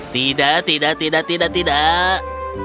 tidak tidak tidak tidak